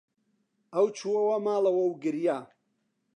ئەو چووەوە ماڵەوە و گریا.